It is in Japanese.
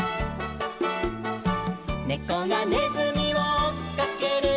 「ねこがねずみをおっかける」